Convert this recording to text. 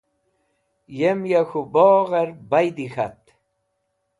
Yem ya k̃hũ bogher baydi k̃hat.